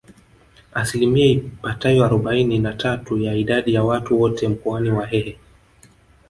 Asilimia ipatayo arobaini na tatu ya idadi ya watu wote Mkoani ni Wahehe